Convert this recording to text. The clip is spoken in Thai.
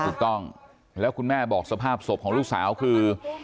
ถูกต้องแล้วคุณแม่บอกสภาพศพของลูกสาวคือ